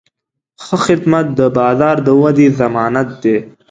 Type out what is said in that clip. ښه خدمت د بازار د ودې ضمانت دی.